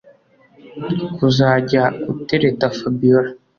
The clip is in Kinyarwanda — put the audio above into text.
kuzajya utereta fabiora.